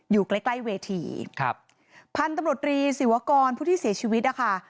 อยู่ใกล้เวทีพันธ์ตำรวจรีศศิวากรผู้ที่เสียชีวิตนะคะ